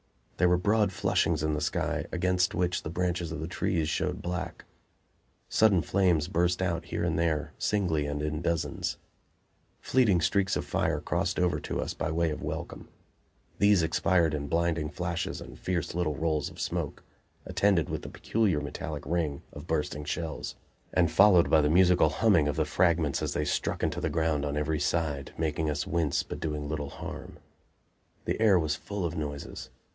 There were broad flushings in the sky, against which the branches of the trees showed black. Sudden flames burst out here and there, singly and in dozens. Fleeting streaks of fire crossed over to us by way of welcome. These expired in blinding flashes and fierce little rolls of smoke, attended with the peculiar metallic ring of bursting shells, and followed by the musical humming of the fragments as they struck into the ground on every side, making us wince, but doing little harm. The air was full of noises.